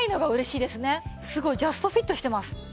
すごいジャストフィットしてます。